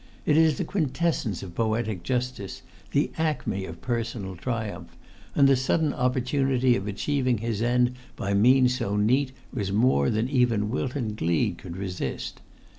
It is the quintessence of poetic justice, the acme of personal triumph; and the sudden opportunity of achieving his end by[Pg 113] means so neat was more than even Wilton Gleed could resist.